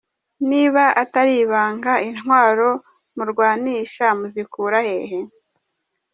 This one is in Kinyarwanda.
Niba atari ibanga intwaro murwanisha muzikura hehe?